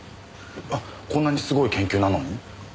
えっこんなにすごい研究なのに？